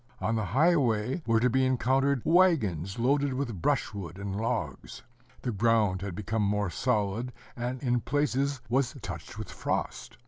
On the highway were to be encountered wagons loaded with brushwood and logs. The ground had become more solid, and in places was touched with frost.